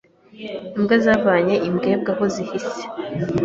Imbwa zavanye imbwebwe aho zihishe.